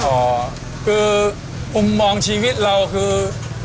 อ๋อคือมุมมองชีวิตเราคือ